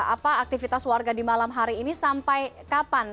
apa aktivitas warga di malam hari ini sampai kapan